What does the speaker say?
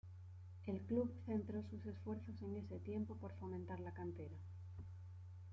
El club centró sus esfuerzos en ese tiempo por fomentar la cantera.